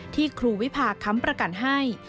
ที่ครูวิพาค้ำประกันให้